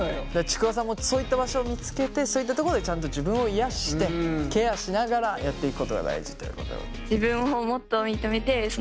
ちくわさんもそういった場所を見つけてそういったとこでちゃんと自分を癒やしてケアしながらやっていくことが大事ということ。